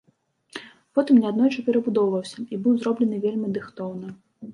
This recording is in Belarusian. Потым неаднойчы перабудоўваўся і быў зроблены вельмі дыхтоўна.